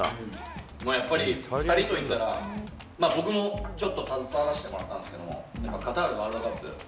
やっぱり２人といったら、僕もちょっと携わらせてもらったんですけども、やっぱカタールワールドカップ、